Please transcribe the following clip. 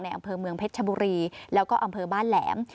อำเภอเมืองเพชรชบุรีแล้วก็อำเภอบ้านแหลม